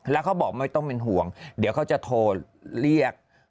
แล้วเขาบอกไม่ต้องเป็นห่วงเดี๋ยวเขาจะโทรเรียก